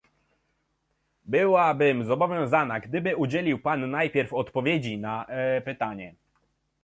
Byłabym zobowiązana, gdyby udzielił pan najpierw odpowiedzi na pytanie